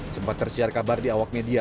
sempat tersiar kabar di awak media